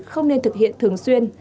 không nên thực hiện thường xuyên